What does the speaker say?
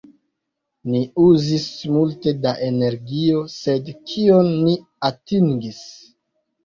Ni uzis multe da energio, sed kion ni atingis?